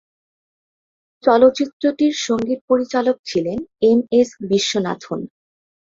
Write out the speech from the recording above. চলচ্চিত্রটির সঙ্গীত পরিচালক ছিলেন এম এস বিশ্বনাথন।